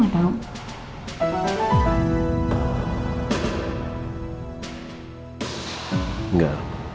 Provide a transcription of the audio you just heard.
tapi kamu pun berusaha